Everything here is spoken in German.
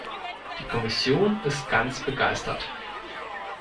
Die Kommission ist ganz begeistert.